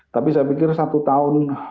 tapi saya pikir satu tahun